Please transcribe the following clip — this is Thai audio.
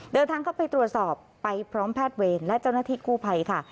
เดินทางเข้าไปตรวจสอบไปพร้อมแพทย์เวรและเจ้าหน้าที่กู้ภัยค่ะ